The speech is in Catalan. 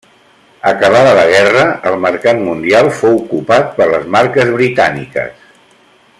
Acabada la guerra, el mercat mundial fou copat per les marques britàniques.